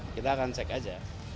kita akan cek aja